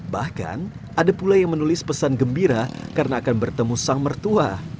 bahkan ada pula yang menulis pesan gembira karena akan bertemu sang mertua